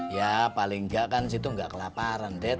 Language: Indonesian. ya paling enggak kan situ enggak kelaparan dad